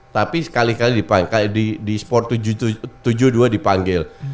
tapi sekali kali di sport tujuh puluh dua dipanggil